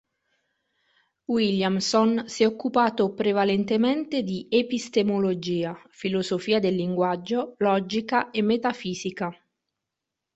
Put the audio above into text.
Williamson si è occupato prevalentemente di epistemologia, filosofia del linguaggio, logica e metafisica.